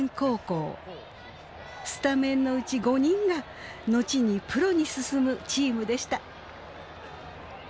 スタメンのうち５人が後にプロに進むチームでした。